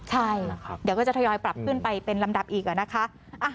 ใช่เดี๋ยวก็จะทยอยปรับขึ้นไปเป็นลำดับอีกนะคะ